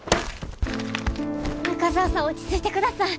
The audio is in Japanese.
中澤さん落ち着いてください。